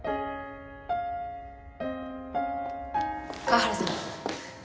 河原さん